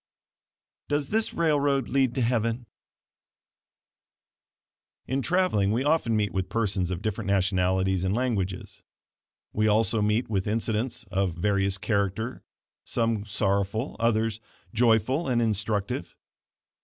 "DOES THIS RAILROAD LEAD TO HEAVEN?" In traveling we often meet with persons of different nationalities and languages; we also meet with incidents of various character, some sorrowful, others, joyful and instructive.